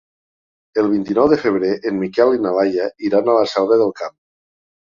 El vint-i-nou de febrer en Miquel i na Laia iran a la Selva del Camp.